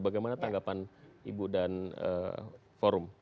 bagaimana tanggapan ibu dan forum